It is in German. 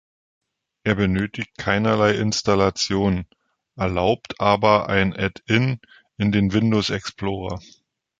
Er benötigt keinerlei Installation, erlaubt aber ein Add-In in den Windows Explorer.